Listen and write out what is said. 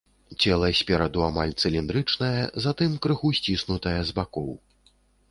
Цела спераду амаль цыліндрычнае, затым крыху сціснутае з бакоў.